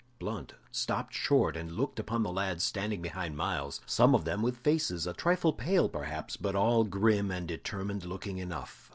Blunt stopped short and looked upon the lads standing behind Myles, some of them with faces a trifle pale perhaps, but all grim and determined looking enough.